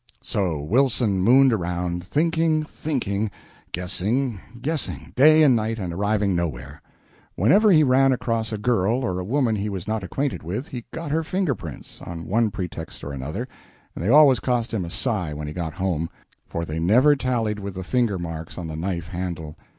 So Wilson mooned around, thinking, thinking, guessing, guessing, day and night, and arriving nowhere. Whenever he ran across a girl or a woman he was not acquainted with, he got her finger prints, on one pretext or another; and they always cost him a sigh when he got home, for they never tallied with the finger marks on the knife handle.